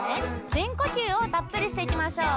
しんこきゅうをたっぷりしていきましょう。